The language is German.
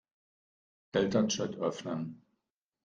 Deltachat öffnen.